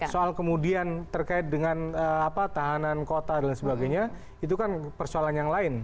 soal kemudian terkait dengan tahanan kota dan sebagainya itu kan persoalan yang lain